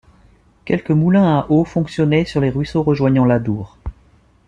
Quelques moulins à eaux fonctionnaient sur les ruisseaux rejoignant l’Adour.